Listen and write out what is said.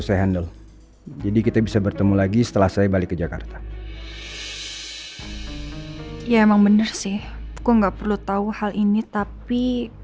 ya emang bener sih gue gak perlu tau hal ini tapi